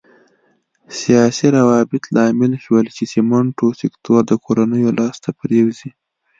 سیاسي روابط لامل شول چې سمنټو سکتور د کورنیو لاس ته پرېوځي.